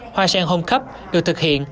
hoa sen home cup được thực hiện